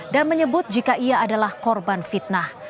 dan menyebut jika ia adalah korban fitnah